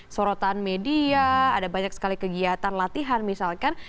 sorotan media ada banyak sekali kegiatan latihan misalkan